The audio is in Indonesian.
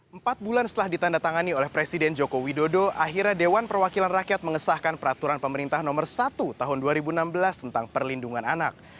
empat bulan setelah ditandatangani oleh presiden joko widodo akhirnya dewan perwakilan rakyat mengesahkan peraturan pemerintah nomor satu tahun dua ribu enam belas tentang perlindungan anak